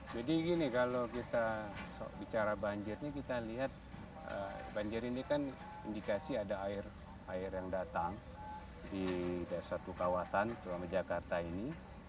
jadi gini kalau kita bicara banjirnya kita lihat banjir ini kan indikasi ada air air yang datang di satu kawasan tuan jakarta ini